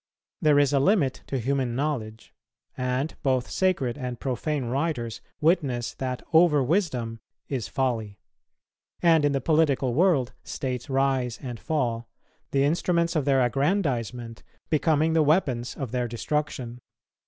There is a limit to human knowledge, and both sacred and profane writers witness that overwisdom is folly. And in the political world states rise and fall, the instruments of their aggrandizement becoming the weapons of their destruction.